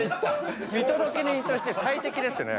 見届け人として最適ですね。